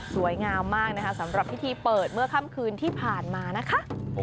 สวยงามมากนะคะสำหรับพิธีเปิดเมื่อค่ำคืนที่ผ่านมานะคะ